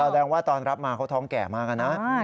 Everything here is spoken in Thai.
แสดงว่าตอนรับมาเขาท้องแก่มากนะ